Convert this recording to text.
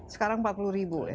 sekarang empat puluh ribu ya